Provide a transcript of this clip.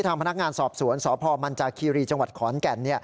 ทางพนักงานสอบสวนสพมันจาคีรีจังหวัดขอนแก่น